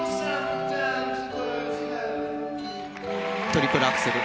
トリプルアクセル。